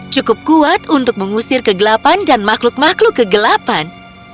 cukup kuat untuk mengusir kegelapan dan makhluk makhluk kegelapan